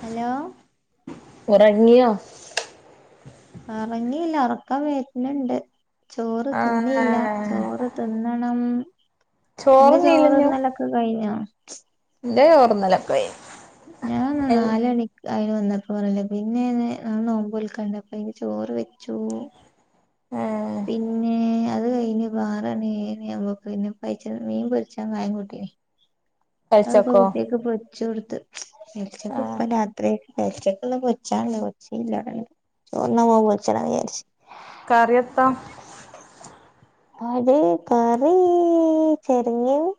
Hello ഒറങ്ങിയോ ഒറങ്ങീല്ല ഒറക്കാം വരന്നുണ്ട് ചോറ് തിന്നിയില്ല ആഹ് ചോറ് തിന്നണം അന്റെ ചോറ് ചോറ്ന്നീലഞ്ഞു തിന്നല്ലൊക്കെ കഴിഞ്ഞോ എന്റെ ചോറ് തിന്നലെ കയിഞ്ഞ് ഞാൻ നാലണി ക്കായി വന്നപ്പ പറല്ലേ പിന്നെ ന നോമ്പ് വിക്കണ്ട അപ്പ ഇ ചോറ് വെച്ചു ഏഹ് പിന്നെ അത് കഴിഞ്ഞ്പ്പാ ആർമണിയായി പിന്നെ അവക്ക് പൈച്ച ഇനി മീൻ പൊയിച്ച മതി അതും കൂടി അത്പ്പൊ കഴിച്ചക്കോ കുട്ടിയക്ക് പൊരിച്ച് കൊടുത്ത് എനിച്ചപ്പം ആഹ് ഇപ്പം രാത്രിയായി വെച്ചെക്കണ പെയിച്ച മതി [unintelligible] പൊച്ചണ വിചാരിച്ചു കറിയത്താ ആട് കറി ചെരങ്ങയും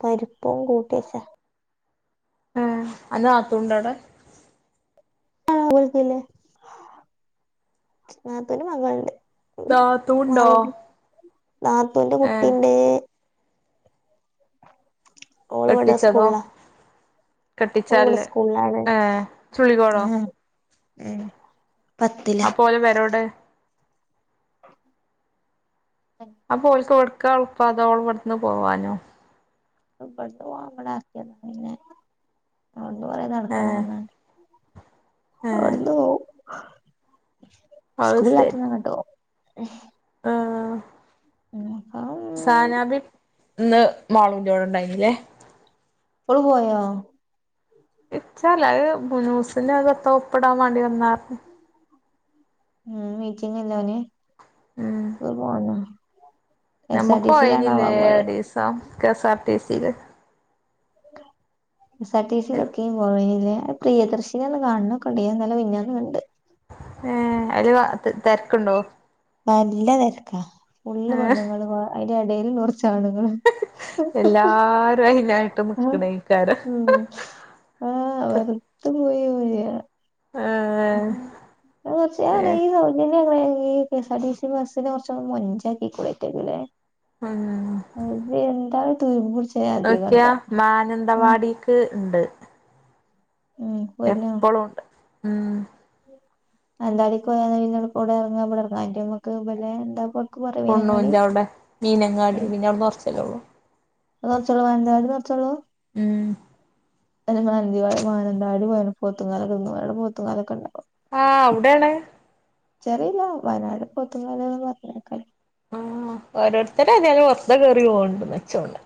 പരിപ്പും കൂ പിസ ആഹ അന്ന ആത്തൂണ്ട് അവിടെ ആ അറിയത്തില്ല നാത്തൂന് മകളുണ്ട് നാത്തൂണ്ടോ [unintelligible] നാ നാത്തുന്റെ കുട്ടീ ഏഹ് ഇണ്ട് ഓള് ഇവ്ട കെട്ടിച്ചതോ സ്കൂളിലാ ഓള് കെട്ടിച്ചാല്ല് സ്കൂളിലാണ് ഏഹ് ചുള്ളിക്കോടോ ആ ഏ ആ പോയ് എവരോടെ അപ്പോൽക്ക് ഓൽക്ക് അടുത്താന്ന അതോള് പെട്ടെന്ന് പോവാനോ ഇപ്പഴത്തെ ആണുങ്ങളെ ഇറക്കിവിടുന്ന പിന്നെ അതു കൊണ്ട് നടക്കുന്നെന്ന് ഏഹ് പറഞ്ഞെ ഏഹ് അർതു അത് സെരി സ്കൂളിലെത്തണം കേട്ടോ ആഹ് ഉം പറ സാനാബി ഇന്ന് മാളന്റെോടെണ്ടായിരുന്നില്ലേ ഓള് പോയോ ഇച്ചല്ലത് മുനൂസിന് ത്തോപ്പിടാൻ വേണ്ടി വന്നാർന്ന് ഉംമീറ്റിംഗ് ഇല്ലാനി ഉം ത് പോണോ നമ്മുക്ക് പോയിഞ്ഞില്ലേ ദീസം കെ എസ് ആർ ടി സില് സാടിസിയിലെക്കെയും പോയില്ലെ പ്രിയദർശിനിയൊന്ന് കാണൊക്കെണ്ടണ്ട് ഇന്നെല്ലെ മെനന്നാന് കണ്ട് ഏ അതില് വ തിരക്കുണ്ടോ? നല്ല തെരക്കാ ഫുള്ള് ഏഹ് പെണ്ണ്ങ്ങളും അതിന്റെയില് നോർ ച്ച് ആണുങ്ങളും [unintelligible] [unintelligible] മ് ആ വെറുതെ പോയി പോയ ഏഹ് ന്ന് വെച്ച ഏഹ് [unintelligible] ഈ K S R T C ബസ്സിനെ കൊറച്ചൊന്ന് മൊഞ്ചാക്കികൂടെ അയ്റ്റക്ക് ല്ലേ ഉം ആന്റി എന്താ തിന്ന് നോക്ക്യാ മാനന്തവാടിക്ക് ഇണ്ട് ഉം എപ്പളും ഒണ്ട് മ് മാനന്താവാടിക്ക് പോയാപ്പോ ങ്ങള് ഔടർങ്ങാ ഇബടെർങ്ങാൻ പറ്റോ മ്മക്ക് പിന്നെ ന്താപ്പോ പൊണ്ണൂന്റോ അവിടെ മീനങ്ങാടി ഉം പിന്നെ അവിട്ന്ന് കൊറച്ചല്ലേള്ളൂ അത് കൊറച്ചൊളൂ മാനന്താടീന്ന് കൊറച്ചൊളൂ മ് എ മാനന്തവാ മാനന്തവാടി പോയല് പോത്തുംകാലൊക്കെണ്ട്ന്ന് പറയണ് പോത്തുംകാലൊക്കെ ഒണ്ടോ ആഹ് അവിടെയാണ് ജ്ജ്‌റീല്ലാ വയനാട് പോത്തുകാല്ന്ന് പറഞ്ഞേക്ക [inaudible] ആ ഓരോര്ത്തെതായാലും വെർതെ കേറി പോക്ണ്ട്ന്നാ ഇജ്ജോന്ന്നെ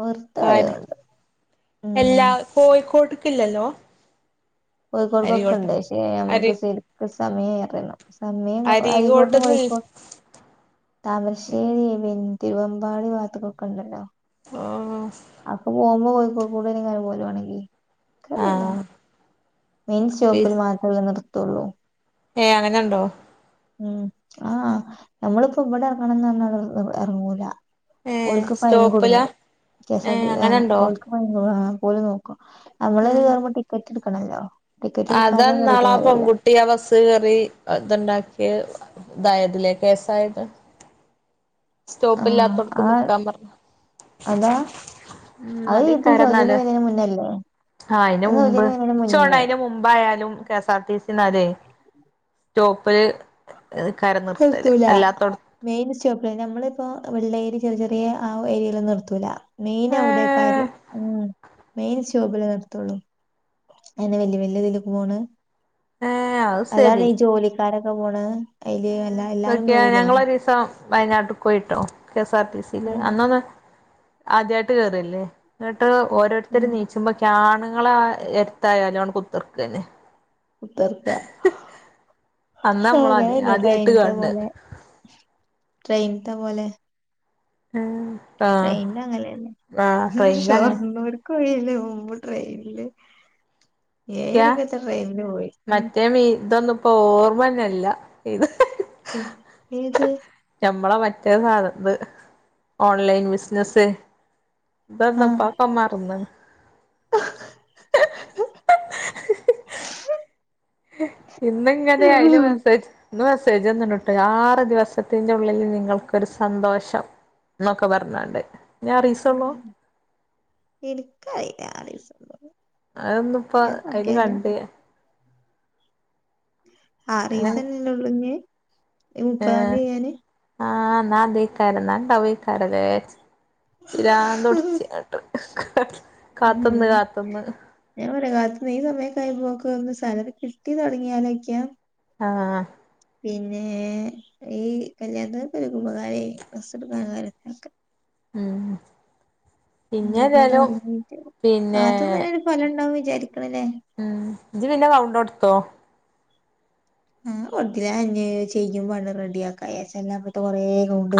വെറുതെ കാര് അറിയുന്നുണ്ട് [inaudible] ഉം യെല്ലാ കോഴിക്കോട്ട്ക്ക്ല്ലല്ലോ കോഴിക്കോട്ക്കൊക്കെണ്ട് പക്ഷെ നമുക്ക് സെരിക്ക് സമയാറിയണം സമയം അരിക്കോട്ന്ന് അരീകോട്ട്ന്ന് കോഴിക്കോട് [inaudible] താമരശ്ശേരി പിൻ തിരുവമ്പാടി വാത്ത്ക്കൊക്കണ്ടല്ലോ ആ അപ്പൊ പോമ്പോ കോഴ്കോകൂടിങ്ങനെ പോരുവാണെങ്കിൽ [inaudible] ൻക്കറീല്ല ആഹ് മെയിൻ സ്റ്റോപ്പിൽ മാത്രെല്ലേ നിർത്തൊള്ളൂ ഏ അങ്ങനണ്ടോ ഉം ആ നമ്മള്പ്പൊ ഇബടെ ഇറങ്ങണംന്ന് പറഞ്ഞാ [inaudible] എറങ്ങൂല ഏഹ് ഓൽക്ക് ഫൈൻ സ്റ്റോപ്പിലാ കുടുങ്ങും കെ എസ് ആർടി ഏഹ് ആ അങ്ങനെണ്ടോ ഓൽക്ക് ഫൈൻ കുട് ആ അപ്പോല് നോക്കും നമ്മള് കേറുമ്പോ ടിക്കറ്റ് ഇട്ക്കണല്ലോ അതാണ്ന്നാളാ പെൺകുട്ടി അ ബസ്ല് കേറി എ ഇത്ണ്ടാക്യെ യെ ഇതായല്ലേ കേസായത് ആ സ്റ്റോപ്പ്ല്ലാത്തോടത്ത് ആ നിക്കാപറഞ്ഞ് അതാ [inaudible] അത് ഇത് സൗജന്യ തെര്നെന്റെ മുന്നല്ലേ ആ അയ്ന്റെ അത് മുമ്പ് സൗജന്യം വരുന്നതിന് ജ്ജോണ് മുന്നേ അയ്ന്റെ മുമ്പായാലും K S R T C ന്നാലെ സ്റ്റോപ്പില് ക്കാരും നിർത്തല് നിർത്തൂല അല്ലാത്തോട്ത്ത് മെയിൻ സ്റ്റോപ്പില് നമ്മളിപ്പോ വെള്ളേരി ചെറിയ ചെറിയേ ആ ഏരിയിലൊന്നും നിർത്തൂല മെയ്ൻ ഏഹ് അവ്ടെക്കാരും മ് മെയിൻ സ്റ്റോപ്പിലെ നിർത്തൊള്ളൂ അഅന്നെ വല്യ വല്യ ഇതിലൊക്കെ പോണെ ഏഹ് അത് അതാണ് ശരി ജോലിക്കാരൊക്കെ പോണെ അയ്ല് എല്ല എല്ലാരും നോക്കിയ കേറൂലയ്ല് ഞങ്ങളൊരീസം വയനാട്ട്ക്ക് പോയ്ട്ടോ കെഎസ് ആർ ടിസിയില് ഉം അന്നന്ന് ആദ്യായിട്ട് കേറല്ലേ ന്നട്ട് ഉം ഓരോരുത്തരും നീച്ചുമ്പൊക്കെയാണ് ങ്ങള എത്തായാലും ആൻട് കുത്തിർക്കന്നെ കുത്തർക്ക അന്നാ നമ്മളാദ്യ അന്നെ ആദ്യായിട്ട് ട്രെയിൻത്തെ കാൺണെ പോലെ ട്രൈയിൻത്തെ പോലെ ആ ട്രെയിൻല് അങ്ങനെല്ലേ ട്രെയിനിലങ്ങനെ ഷോർണ്ണൂർ ക്ക് കൊഴയില് പോമ്പോ ട്രെയിൻല് ക്ക്യാ ഏഴണിക്കെറ്റെ ട്രെയിൻല് പോയി ഇപ്പൊ ഓർമ്മന്നെല്ല ഇത് മ് ഏത് നമ്മളെ മറ്റേ സാധന് ഓൺലൈൻ ബിസിനസ്സ് ഇതന്താപ്പാക്കമാർന്ന് ശബ്ദം ക്ലിയർ അല്ല ഇന്നിങ്ങനെ ആയില് മെസേജ് മെസ്സേജ് ഒന്നിട്ടോ ആറ് ദിവസത്തിന്റെ ഉള്ളിൽ നിങ്ങൾക്കൊരു സന്തോഷം എന്നൊക്കെ പറഞ്ഞോണ്ട് എനക്ക് അറല്ല ആരും അതൊന്ന ഇപ്പോ അതില് കണ്ട് ആറീസല്ലേ ഉള്ളൂനി മുപ്പതാംതിയ്യാന് ആ എന്നതക്കാരണ്ടക്കാരല്ലേ ഇരാ തുടിച്ചട്ട ശബ്ദം ക്ലിയർ അല്ല ഉം ഒര കാത്ത് ന സമയ കഴ പോക്ക ന്ന് സാലറി കിട്ടി തുടങ്ങിയാലൊക്കെയാ ആ പിന്നെ ഈ കല്യാണക്ക ക്പകാരേ ഡ്രസ്സ് എടുക്കാൻ കാര്യത്തിനൊക്കെ ഉം അ പിന്നെ ഇപ്പ ഏതായാലും തുടങ്ങീട്ട് പിന്നെ കാത്തുന്ന് തന്നെ ഒരു ഫലം ഉണ്ടാവന്ന് വിചാരിക്കണല്ലേ ഉം ഇത് പിന്നെ കൗണ്ട കൊടുത്തോ ആ കൊട്ത്തില്ല അയ്ഞ്ഞി ചെയ്യുംമ്പം റെഡിയ ആക്ക എല്ല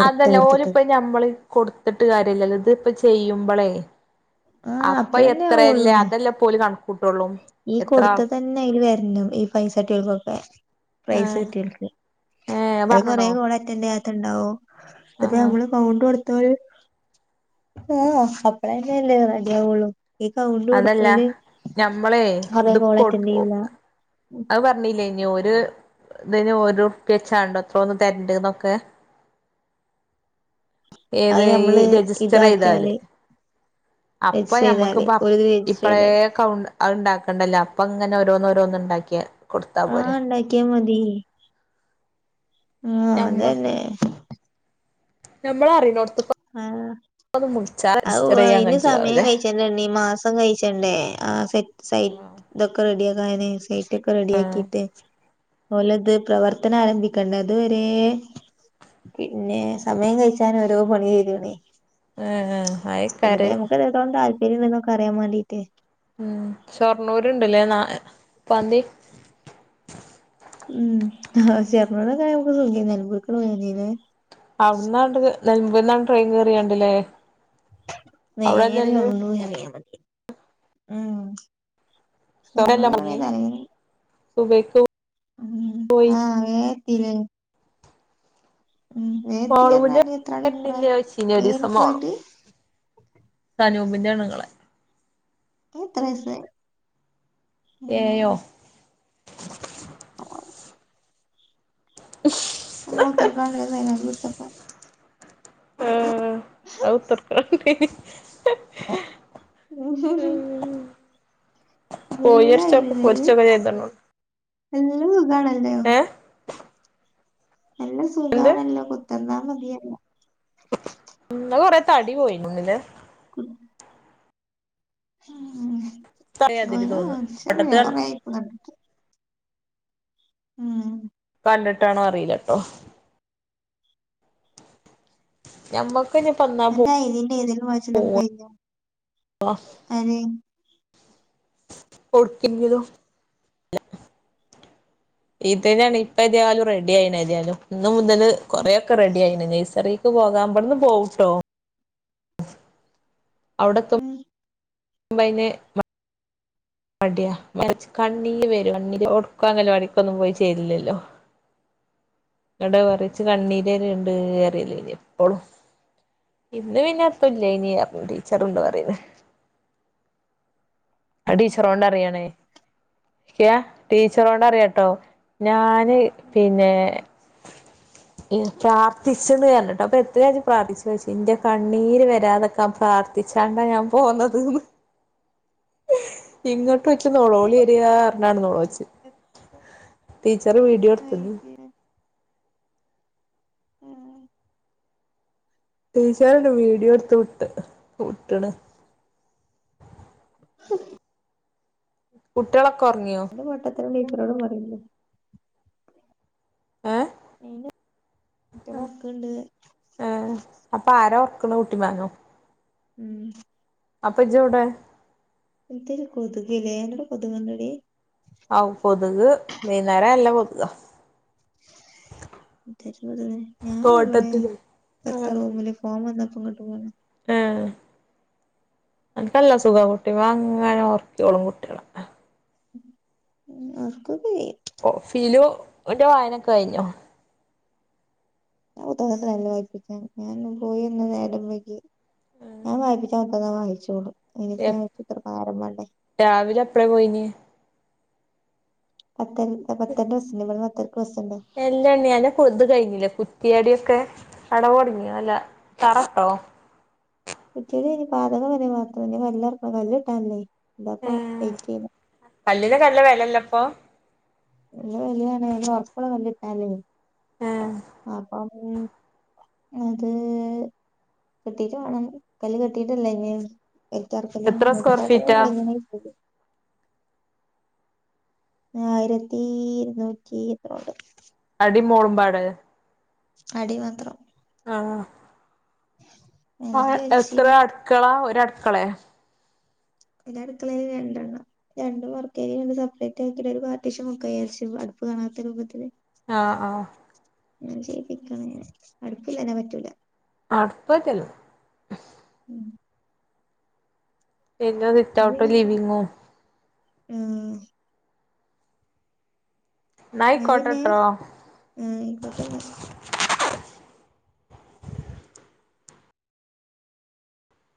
അതല്ല ഓരിപ്പ ഞമ്മള് കൊടുത്തിട്ട് കാര്യ ല്ലല്ലോ ഇത്പ്പ ചെയ്യുമ്പോളേ ആ അപ്പൊ അപ്പളന്നെ എത്രയല്ലേ ആവുള്ളൂ അതല്ല പോലും കണ ഈ കൊടുത്ത തന്നെ അയിൽ വരണം ഈ പൈസട്ടികൾക്കൊക്കെ പൈസ ആഹ് കിട്ടി ഏഹ് അത് കൊറെ പറഞ്ഞണോ കോൾ അറ്റൻഡ ഉണ്ടാവും അത് ആഹ് നമ്മള് കൗണ്ട് ആ കപ്പളന്നല്ലേ റെഡിയാവുള്ളൂ കൗണ്ട് അതല്ല കൊടുത്തല് ഞമ്മളേ അതേ ഇത് കോള അറ്റൻ കൊടു ചെയ്യുല അത് പറഞ്ഞില്ലേ ഇനി ഒരു ഇതിന് ഓര്പ്പ്യവെച്ചാണ്ടോ എത്രോന്നും തെരണ്ടിന്നൊക്കെ അത് ഏത് ഈ നമ്മള് രജിസ്റ്റർ ചെയ്താല് ഇതാക്കിയാല് അപ്പൊ രജിസ്റ്റർ ഞമ്മക്ക് ചെയ്താല് ഓല് ഇത് രജിസ്റ്റർ ഇപ്പഴേ ചെയ്താല് കൗണ്ട് അ ഉണ്ടാക്കണ്ടല്ല അപ്പ ഇങ്ങന ഓരോന്നോ ഓരോന്നന്ന് ഉണ്ടാക്കിയാ ആ ഉണ്ടാക്കിയാ മതി ആ അതന്നെ നമ്മൾ അറിനോ ആ രജിസ്റ്റർ ചെയ്യാൻ അതിന് കജ്ജും സമയം ആവുല്ലേ കഴിച്ചണ്ടണ്ണീ മാസം കഴിച്ചണ്ടേ ആ സറ്റ് സൈറ്റ്ക്കെ റെഡിയ ആക്കയനെ സൈറ്റ് ഒക്കെ റെഡി ആഹ് ആക്കിട്ട് ഓല്ത് പ്രവർത്തനം ആരംഭിക്കണ്ട അതു വരെ പിന്നെ സമയം കഴിച്ചാൻ ഓരോ പണി തരുനി ആഹ് പിന്നെ അയക്കാര് നമക്ക് എത്രത്തോളം താല്പര്യംന്നൊക്കെ അറിയാൻ വേണ്ടീട്ട് ഉം ഷൊർണ്ണൂരുണ്ടല്ലേ ന പാന്തി ഉം ഷൊർണൂർ ഒക്കെ ആയ നമുക്ക് സുഖ നൽമ്പൂക്കൂടെ പോയാതി ലേ അവിട്ന്നാണ്ട് നെൽമ്പൂര്ന്നട്ട് ട്രെയിൻ കയറിയാണ്ട്ല്ലേ നേരെ ഒള്ളൂ കയറിയ ഉ ഷൊർണ്ണൂരല്ലേ ഷൊർണൂര് മുങ്ങിയേ [unintelligible] [unintelligible] ഉ പോയി ആ വേത്തില്ലേ ഉം വേ മാളൂന്റെ എത്തിയർഞ്ഞാല് എത്രമണിക്കൂറാ വരുന്നില്ലേ ചോയ്ച്ചീനി ഒരീസം എഴണിക്ക് പോയിട്ട് അനൂപിന്റെണ്ണുങ്ങളെ എത്ര വയസ്സായി ഏയോ [unintelligible] ആഹ [unintelligible] ഉ കോഴിയിറച്ചിയൊക്കെ പൊരിച്ചൊക്കെ ചെയ്തന്നോണ്ട് ഏഹ് [unintelligible] നല്ല എന്ത് സുഖമാണല്ലോ കുത്തർന്നാ മതിയല്ലോ കുറേ തടി പോയിണ്ല്ലേ ഉ അതിന് തോന്നുന്നു പട്ടത്ത് കണ്ട് [unintelligible] ഉം കണ്ടിട്ടാണോ അറിയില്ലട്ടോ ഞമ്മ എന്റെ ഐദീറെ എയ്താലും വായിച്ചാലും കൈഞ്ഞോ ആര് ഒടുക്കും ഇത്െയാണ് ഇപ്പ തായാലും റെഡി ആയിണ തായാലും ഇന്ന മുതല് കൊറെക്കെ റെഡി ആയിണ നെയസറിക്ക് പോകാൻമ്പടന്ന് പോകട്ടോ അവിടത്തും ഉം കൈഞ്ഞ് മടിയ മച്ച് കണ്ണീ വരും കണ്ണീ ഒടുക്കാങ്ങല്ല വടിക്കൊന്നും പോയി ചെയ്തില്ലല്ലോ ഇവിടെ പറച്ച് കണ്ണീര ഉണ്ട് കേറല്ല ഇനി എപ്പോളും ഇന്ന് പിന്നെ അപ്പല്ലന ടീച്ചർണ്ട് പറയുന്നു അടീ ചറോണ്ട അറിയണേ ക്ക ടീച്ചറോട് അറിയാട്ടോ ഞാന് പിന്നെ [inaudible] പ്രാർഥിച്ചന്ന് പറഞ്ഞിട്ടോ അപ്പൊ എത്രാച്ചം പ്രാർത്ഥിച്ചു ചച്ചു ഇന്റെ കണ്ണീര് വരാതൊക്കാൻ പ്രാർഥിച്ചു ചേണ്ടാ ഞാൻ പോന്നത്ന്ന് ട്ടച്ച നളോളി എരിാണ് നോളോച്ചച്ച് ടീച്ചറ് വീഡിയോ എടുത്തത് അയിന് ഉം ടീച്ചറ വീഡിയോ എടുത്ത വിട്ട് വിട്ടണ് [inaudible] കുട്ടികളൊക്കെ ഉറങ്ങിയോ ത്തരണപ്പരോടും പറയുന്നു ഏ അറെ ഇട്ട വക്കണ്ട് ക്ക ഊട്ടി വാങ്ങോ ഉം അപ്പൊ ഇജവിടെ എന്ത കൊതുകല്ലേ അന്റോടെ കൊതുക് ഇണ്ട ടി ആ കൊതുക് വൈകുന്നേരം എല്ലാം കൊതുക് ഞാനവിടെ തോട്ടത്തില് ഏ ഭർത്ത ഫോം വന്ന പ്പ കട്ട പോെ ആ അനക്കല്ല സുഖ കുട്ടി അങ്ങനെ ഉർക്കോളും കുട്ടികളെ ഉ ഓർക്കൊക്കെ ചെയ്യും ഓ ഫിലു എ വായനൊക്കെ കഴിഞ്ഞു അ ത രല്ല ആയിക്കിച്ച ഞാൻ പോയി ഒന്ന് നേരമ്പക്ക് ഞാൻ വായിപ്പിച്ച മൊത്തന്നാ വായിച്ചോളൂ അതിന ആഴ്ച്ച ഇത്ര കാരഭല്ലേ കപ്പ പോയിനി പത്ത പത്തണ്ട് ബസ്സിന് എല്ലാ ണ്ണി അന്റെ കു ഇത് കഴിഞ്ഞിലേ കുറ്റിയടിക്കെ പടവ് തൊട്ങ്ങിയോ അല്ല തറട്ടോ കുറ്റിയടി കയിഞ്ഞ് പാതകം വരെ വാർത്ത് ഇന്ന് കല്ലെർക്ക. കല്ല് കിട്ടാൻ ല്ലേ ബാപ്പം എയ്റ്റീന് ഇതിനൊക്കെ നല്ല വെലല്ലപ്പൊ [unintelligible] എ ഒർപ്പുള്ള കല്ലിട്ടാ ല്ലേ ഏഹ് അപ്പൊ [inaudible] അത് കെട്ടീട്ട് വേണം കല്ല് കെട്ടിട്ടല്ല ഇനി എത്ര ബെൽറ്റക്കലെനി സ്ക്വയർ പടവ് ഫീറ്റാ കഴിഞ്ഞി ആയിരത്തി ഇരുന്നൂറ്റി എത്രയോ ഉണ്ട് അടി മോളുമ്പാടെ അടി മാത്രം ആഹ ആ മേലക്ക് എത്ര വിരിച്ചില്ല അടുക്കള ഒരു അടുക്കളെ ഇന്റെ അടുക്കള രണ്ടെണ്ണം രണ്ടും വർക്കെരിയ ആയോണ്ട് സെപ്പറേറ്റ് ആക്കിട്ട് ഒരു പാർട്ടിഷ്യൻ വെക്കാ വിചാരിച്ച് പ്പ കാണാത്ത രൂപത്തില് ആഹ ആഹ ചെയ്യിപ്പിക്കണെ അടുപ്പില്ലാ ഞാ പറ്റൂല അടുപ്പറ്റല്ലോ ഉം പിന്നെ സിറ്റ്ഔട്ട ലിവിങ്ങും ഉം ന്നാ പിന്നെ ആ ആയിക്കോട്ടന്ന